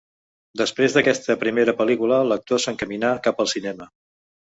Després d'aquesta primera pel·lícula, l'actor s’encamina cap al cinema.